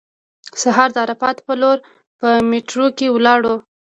سهار د عرفات په لور په میټرو کې ولاړو.